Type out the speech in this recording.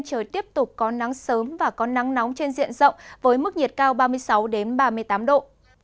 trời tiếp tục có nắng sớm và có nắng nóng trên diện rộng với mức nhiệt cao ba mươi sáu ba mươi tám độ